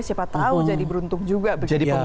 siapa tahu jadi beruntung juga begitu